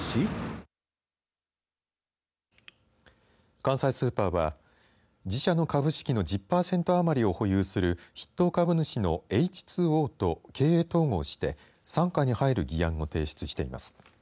関西スーパーは自社の株式の１０パーセント余りを保有する筆頭株主のエイチ・ツー・オーと経営統合して、傘下に入る議案を提出しています。